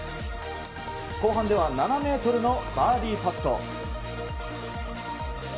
後半では７ｍのバーディーパット。